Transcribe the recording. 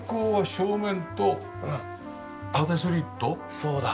そうだ。